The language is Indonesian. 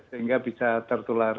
sehingga bisa tertular